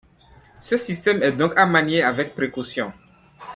Ce système est donc à manier avec précaution.